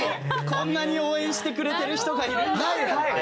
こんなに応援してくれてる人がいるんだって。